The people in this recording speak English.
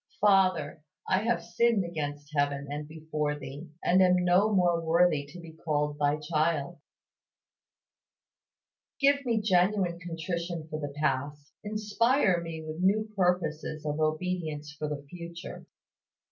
Father, I have sinned against heaven and before Thee, and am no more worthy to be called Thy child! Give me genuine contrition for the past, inspire me with new purposes of obedience for the future.